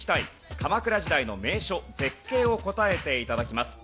鎌倉時代の名所・絶景を答えて頂きます。